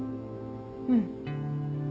うん。